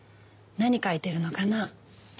何描いてるのかな？